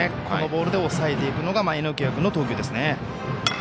このボールで抑えていくのが榎谷君の投球ですね。